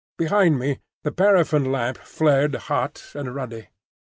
Behind me the paraffine lamp flared hot and ruddy.